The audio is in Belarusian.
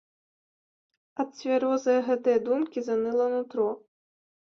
Ад цвярозае гэтае думкі заныла нутро.